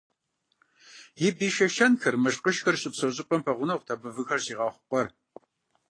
И бий шэшэнхэр, мышкъышхэр щыпсэу щӏыпӏэм пэгъунэгъут абы выхэр щигъэхъу къуэр.